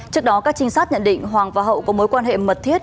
trước đó các trinh sát nhận định hoàng và hậu có mối quan hệ mật thiết